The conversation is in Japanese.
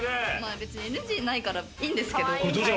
別にＮＧないからいいんですけど。